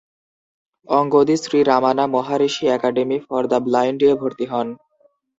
অঙ্গদি Shri Ramana Maharishi academy for the blind এ ভর্তি হন।